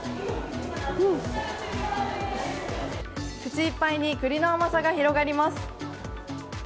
口いっぱいに栗の甘さが広がります。